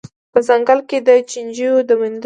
په ځنګله کي د چینجیو د میندلو